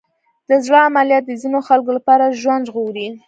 د زړه عملیات د ځینو خلکو لپاره ژوند ژغوري.